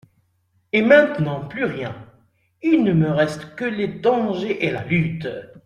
Et maintenant plus rien ! il ne me reste que les dangers et la lutte.